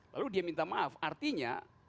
lalu dia minta maaf artinya